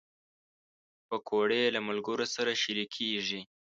پکورې له ملګرو سره شریکېږي